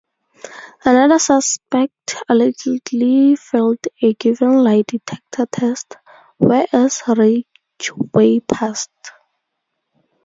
Another suspect allegedly failed a given lie detector test, whereas Ridgway passed.